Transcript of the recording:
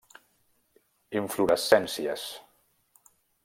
Inflorescències: